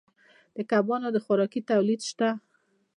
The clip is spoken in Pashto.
د کبانو د خوراکې تولید شته